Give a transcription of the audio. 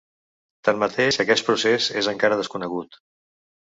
Tanmateix, aquest procés és encara desconegut.